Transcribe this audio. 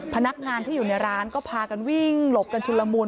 พนักงานที่อยู่ในร้านก็พากันวิ่งหลบกันชุนละมุน